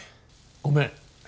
ごめん。